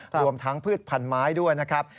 รวมทั้งพืชพันไม้ด้วยนะครับ